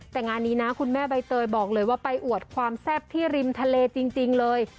แต่งานนี้นะคุณแม่ใบเตยบอกเลยว่าไปอวดความแซ่บที่ริมทะเลจริงเลย